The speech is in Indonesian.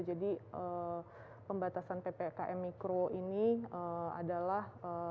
jadi pembatasan ppkm mikro ini adalah